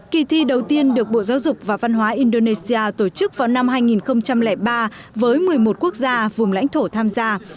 kỳ thi đầu tiên được bộ giáo dục và văn hóa indonesia tổ chức vào năm hai nghìn ba với một mươi một quốc gia vùng lãnh thổ tham gia